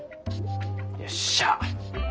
よっしゃ。